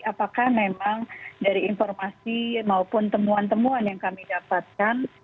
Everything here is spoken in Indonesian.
apakah memang dari informasi maupun temuan temuan yang kami dapatkan